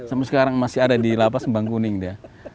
sampai sekarang masih ada di lapas bangkuning dia